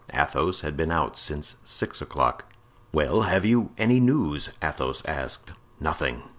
Athos had been out since six o'clock. "Well, have you any news?" Athos asked. "Nothing.